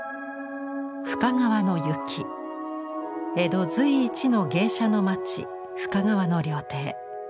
江戸随一の芸者の町深川の料亭。